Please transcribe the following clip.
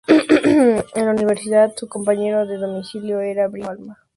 En la universidad, su compañero de domicilio era Brian De Palma.